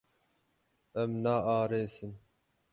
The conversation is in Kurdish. Em naarêsin.